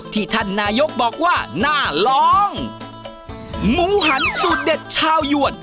ที่ท่านนายกบอกว่าน่าล้องหมูหันสุดเด็ดชาวยวด